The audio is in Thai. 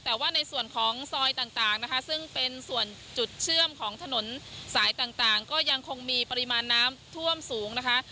แต่ว่าในส่วนของซอยต่างนะคะซึ่งเป็นส่วนจุดเชื่อมของถนนสายต่างก็ยังคงมีปริมาณน้ำท่วมสูงนะคะ